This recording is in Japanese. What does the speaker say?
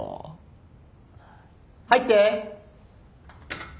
入って。